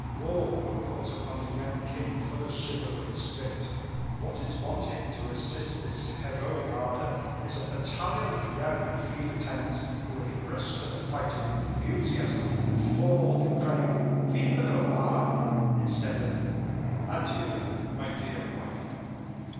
War calls upon a young king full of chivalric spirit. What is wanting to assist this heroic ardor is a battalion of young and free lieutenants who would rush to the fight with enthusiasm, and fall, crying: 'Vive le Roi!' instead of 'Adieu, my dear wife.